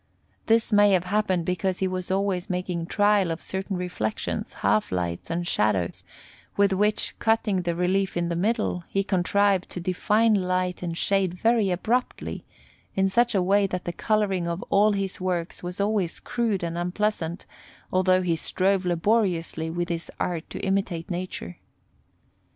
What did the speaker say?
This may have happened because he was always making trial of certain reflections, half lights, and shadows, with which, cutting the relief in the middle, he contrived to define light and shade very abruptly, in such a way that the colouring of all his works was always crude and unpleasant, although he strove laboriously with his art to imitate Nature.